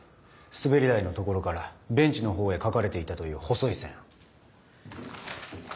滑り台の所からベンチのほうへ描かれていたという細い線。